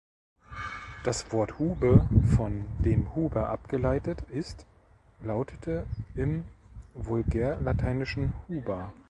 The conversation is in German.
Das Wort Hube, von dem Huber abgeleitet ist, lautete im vulgärlateinischen huba.